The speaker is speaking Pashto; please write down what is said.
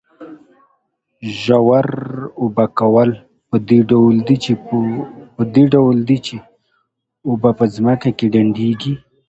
ژور اوبه کول په دې ډول دي چې اوبه په ځمکه کې ډنډېږي.